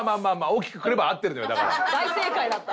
大正解だった。